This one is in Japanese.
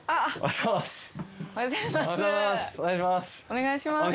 お願いします。